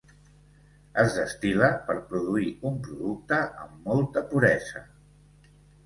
Es destil·la per produir un producte amb molta puresa.